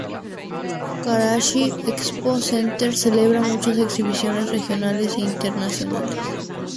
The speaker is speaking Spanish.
Karachi Expo Centre celebra muchas exhibiciones regionales e internacionales.